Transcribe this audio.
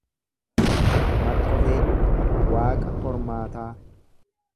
Maqqofee waaqa hormaataa